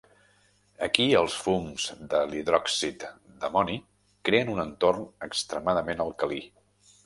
Aquí, els fums de l'hidròxid d'amoni creen un entorn extremadament alcalí.